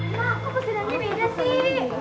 ma kok pesenannya beda sih